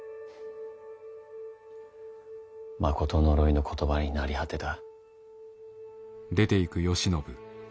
まこと呪いの言葉に成り果てた。